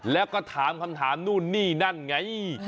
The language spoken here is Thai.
แล้วก็ถามคำถามนู่นนี่นั่นไง